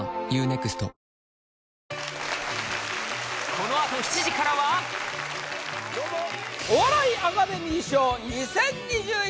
このあと７時からはお笑いアカデミー賞２０２１